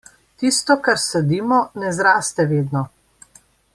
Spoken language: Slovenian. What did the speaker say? Tisto, kar sadimo, ne zraste vedno.